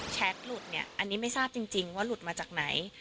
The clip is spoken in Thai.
หลุดเนี่ยอันนี้ไม่ทราบจริงว่าหลุดมาจากไหน